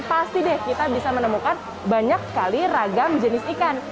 pasti deh kita bisa menemukan banyak sekali ragam jenis ikan